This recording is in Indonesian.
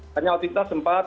tapi waktu itu kita sempat